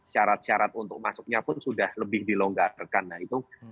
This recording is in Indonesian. syarat syarat untuk masuknya pun sudah lebih dilonggarkan nah itu